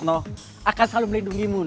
akan selalu melindungimu